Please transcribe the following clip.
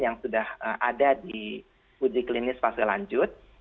yang sudah ada di uji klinis fase lanjut